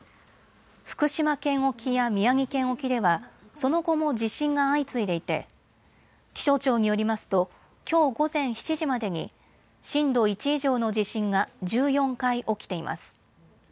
福島県沖や宮城県沖ではその後も地震が相次いでいて気象庁によりますときょう午前７時までに震度１以上の地震が１４回起きています。